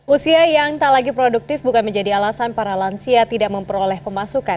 usia yang tak lagi produktif bukan menjadi alasan para lansia tidak memperoleh pemasukan